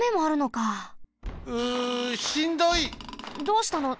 どうしたの？